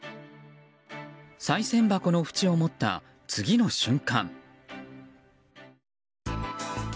さい銭箱の縁を持った次の瞬間。